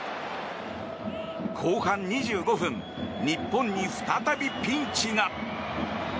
後半２５分日本に再びピンチが。